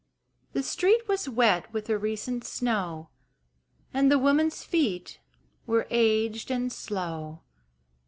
The street was wet with a recent snow And the woman's feet were aged and slow.